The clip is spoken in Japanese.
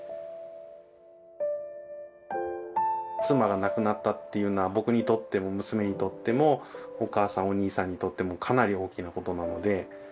妻が亡くなったっていうのは僕にとっても娘にとってもお義母さんお義兄さんにとってもかなり大きなことなので。